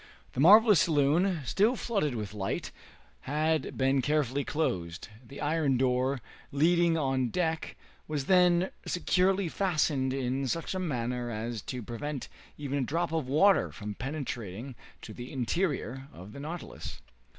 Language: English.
The marvelous saloon, still flooded with light, had been carefully closed. The iron door leading on deck was then securely fastened in such a manner as to prevent even a drop of water from penetrating to the interior of the "Nautilus."